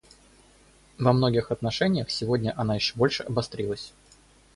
Во многих отношениях сегодня она еще больше обострилась.